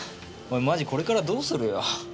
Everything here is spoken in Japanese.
おいマジこれからどうするよ？